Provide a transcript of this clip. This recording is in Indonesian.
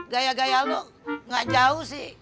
gaya gaya lo gak jauh sih